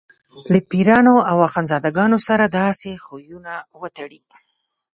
له پیرانو او اخندزاده ګانو سره داسې خویونه وتړي.